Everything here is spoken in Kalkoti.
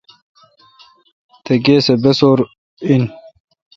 تہ گاے سہ بسو°ر این۔